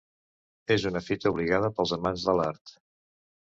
És una fita obligada per als amants de l'art.